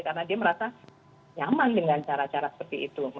karena dia merasa nyaman dengan cara cara seperti itu